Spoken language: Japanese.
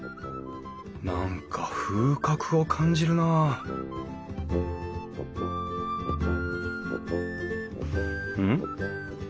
何か風格を感じるなあうん？